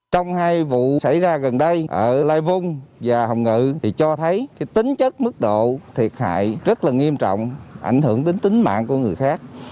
trong hai vụ xảy ra gần đây ở lai vung và hồng ngự thì cho thấy tính chất mức độ thiệt hại rất là nghiêm trọng ảnh hưởng đến tính mạng của người khác